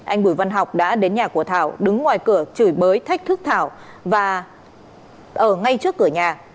anh bùi văn học đã đến nhà của thảo đứng ngoài cửa chửi bới thách thức thảo và ở ngay trước cửa nhà